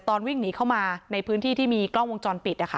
วิ่งหนีเข้ามาในพื้นที่ที่มีกล้องวงจรปิดนะคะ